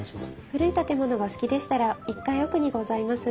古い建物がお好きでしたら１階奥にございます